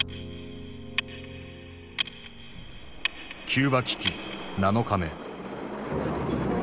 キューバ危機７日目。